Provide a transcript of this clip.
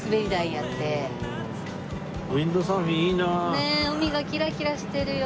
ねえ海がキラキラしてるよ。